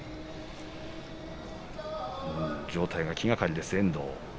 状態が気がかりです、遠藤。